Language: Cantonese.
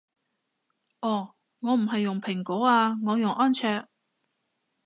哦我唔係用蘋果啊我用安卓